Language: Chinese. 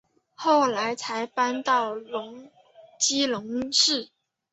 后来才搬到基隆市。